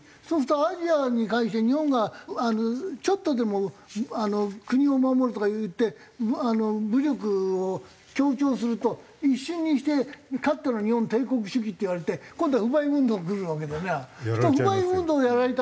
そうするとアジアに関して日本がちょっとでも国を守るとか言って武力を強調すると一瞬にしてかつての日本帝国主義って言われて今度は不買運動がくるわけだよな。